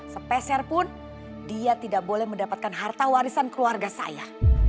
sepeser pun dia tidak boleh mendapatkan harta warisan keluarga saya